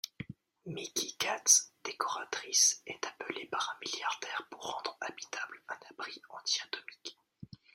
Mickie Katz, décoratrice, est appelée par un milliardaire pour rendre habitable un abri anti-atomique.